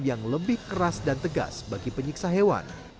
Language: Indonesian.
yang lebih keras dan tegas bagi penyiksa hewan